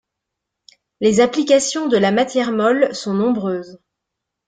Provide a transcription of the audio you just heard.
Les applications de la matière molle sont nombreuses.